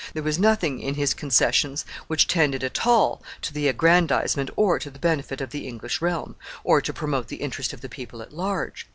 There was nothing in his concessions which tended at all to the aggrandizement or to the benefit of the English realm, or to promote the interest of the people at large.